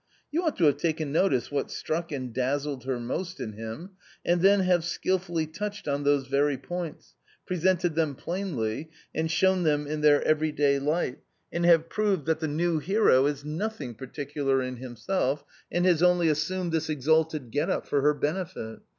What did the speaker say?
You ought to have taken notice what struck and dazzled her most in him and then have skilfully touched on those very points, presented them plainly, and shown them in their everyday light, and have proved that the new hero is nothing particular in himself, and has only assumed this exalted get up for her benefit.